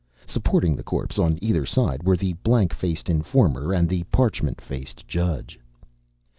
Supporting the corpse on either side were the blank faced informer and the parchment faced judge.